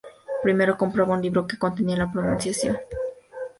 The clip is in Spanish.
Primero compraba un libro que contenía la pronunciación.